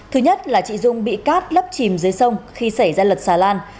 thứ nhất là chị dung bị cát lấp chìm dưới sông khi xảy ra lật xà lan